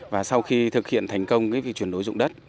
và sau khi thực hiện thành công việc chuyển đổi dụng đất